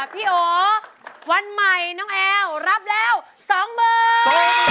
พี่โอวันใหม่น้องแอวรับแล้วสองหมื่น